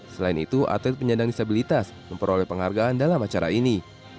selain itu atlet penyandang disabilitas memperoleh penghargaan dalam acara ini